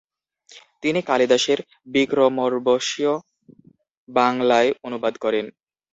তিনি কালিদাসের বিক্রমোর্বশীয় বাংলায় অনুবাদ করেন।